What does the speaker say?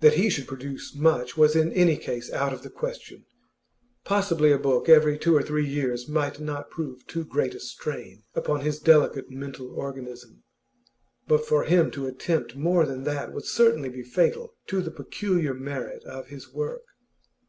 That he should produce much was in any case out of the question; possibly a book every two or three years might not prove too great a strain upon his delicate mental organism, but for him to attempt more than that would certainly be fatal to the peculiar merit of his work.